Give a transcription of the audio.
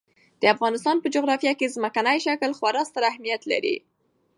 د افغانستان په جغرافیه کې ځمکنی شکل خورا ستر اهمیت لري.